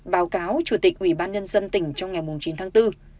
báo cáo chủ tịch ủy ban nhân dân tỉnh trong ngày chín tháng bốn